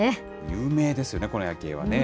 有名ですよね、この夜景はね。